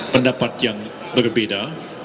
pendapat yang terakhir dari pks dan pkb